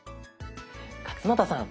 勝俣さん